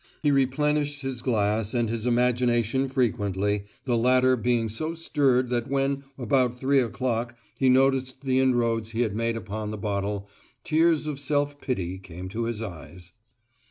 He replenished his glass and his imagination frequently, the latter being so stirred that when, about three o'clock, he noticed the inroads he had made upon the bottle, tears of self pity came to his eyes.